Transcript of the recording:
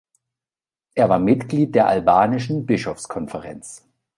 Er war Mitglied der Albanischen Bischofskonferenz.